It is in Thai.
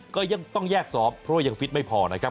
ก็ยังต้องแยกซ้อมเพราะว่ายังฟิตไม่พอนะครับ